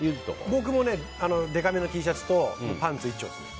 僕もでかめのＴシャツとパンツ一丁ですね。